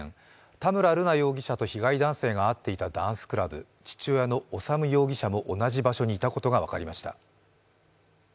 田村瑠奈容疑者と被害男性が会っていたダンスクラブ、父親の修容疑者も同じ場所にいたことが分かりました。